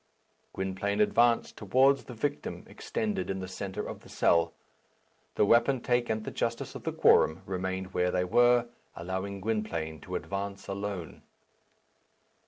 Gwynplaine advanced towards the victim extended in the centre of the cell. The wapentake and the justice of the quorum remained where they were, allowing Gwynplaine to advance alone.